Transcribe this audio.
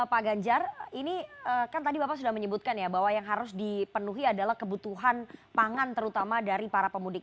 pak ganjar ini kan tadi bapak sudah menyebutkan ya bahwa yang harus dipenuhi adalah kebutuhan pangan terutama dari para pemudik